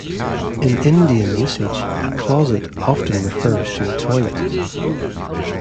In Indian usage, a closet often refers to a toilet.